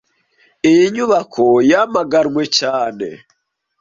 Iyi nyubako yamaganwe cyane